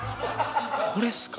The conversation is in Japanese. これすか？